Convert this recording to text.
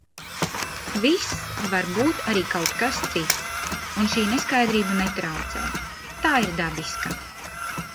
Viss var būt arī kaut kas cits un šī neskaidrība netraucē, tā ir dabiska...